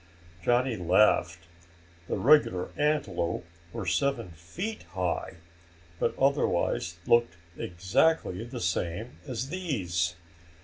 Johnny laughed. The regular antelope were seven feet high, but otherwise looked exactly the same as these.